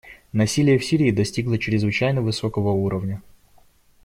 Насилие в Сирии достигло чрезвычайно высокого уровня.